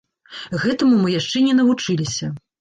Гэтаму мы яшчэ не навучыліся.